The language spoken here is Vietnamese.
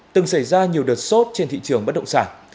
từng xảy ra nhiều đợt sốt trên thị trường bất động sản